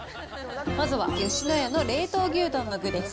まずは吉野家の冷凍牛丼の具です。